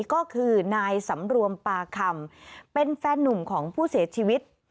ก็คือนายสำรวมปาคำเป็นแฟนนุ่มของผู้เสียชีวิต